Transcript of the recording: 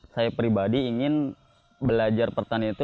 saya pribadi ingin belajar pertanian itu